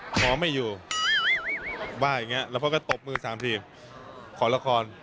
บอกว่าม้อไม่อยู่ว่าอย่างนี้แล้วพวก่อนก็ตบมือ๓ทีขอละคร